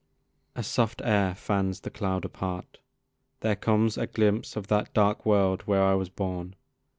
A soft air fans the cloud apart; there comes A glimpse of that dark world where I was born.